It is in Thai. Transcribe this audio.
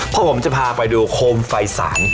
เพราะผมจะพาไปดูโคมไฟสาร